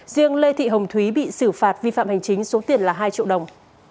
riêng lê thị hồng thúy bị xử phạt vi phạm hành chính số tiền là hai triệu đồng